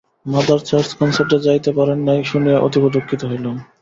Mother church কনসার্টে যাইতে পারেন নাই শুনিয়া অতীব দুঃখিত হইলাম।